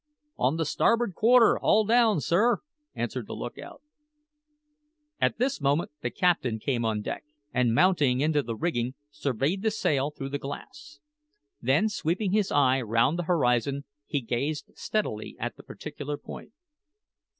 "On the starboard quarter, hull down, sir," answered the lookout. At this moment the captain came on deck, and mounting into the rigging, surveyed the sail through the glass. Then sweeping his eye round the horizon, he gazed steadily at the particular point.